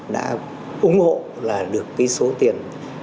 đã ủng hộ là được số tiền